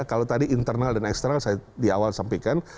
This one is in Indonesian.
kalau tadi internal dan eksternal saya di awal sampaikan